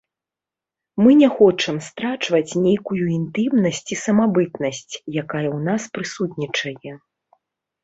Мы не хочам страчваць нейкую інтымнасць і самабытнасць, якая ў нас прысутнічае.